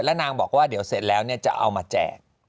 แล้วนางบอกว่าเดี๋ยวเสร็จแล้วจะเอามาแจก